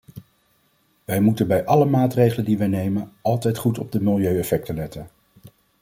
Wij moeten bij alle maatregelen die wij nemen, altijd goed op de milieueffecten letten.